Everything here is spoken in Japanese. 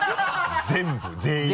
全部全員が。